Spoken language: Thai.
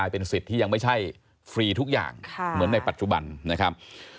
เป็นสิทธิ์ที่ยังไม่ใช่ฟรีทุกอย่างเหมือนในปัจจุบันนะครับ